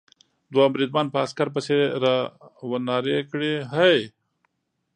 دوهم بریدمن په عسکر پسې را و نارې کړې: هې!